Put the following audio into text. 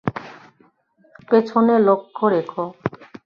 পেছনে লক্ষ্য রেখো।